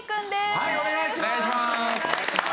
はいお願いします！